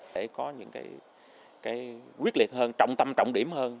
để có những quyết liệt hơn trọng tâm trọng điểm hơn